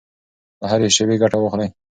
له هرې شېبې ګټه واخلئ.